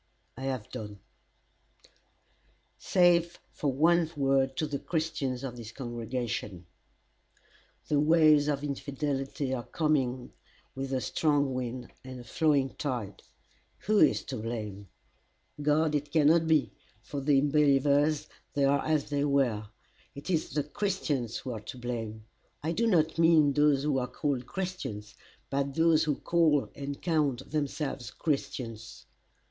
I have done "Save for one word to the Christians of this congregation: "The waves of infidelity are coming in with a strong wind and a flowing tide. Who is to blame? God it cannot be, and for unbelievers, they are as they were. It is the Christians who are to blame. I do not mean those who are called Christians, but those who call and count themselves Christians.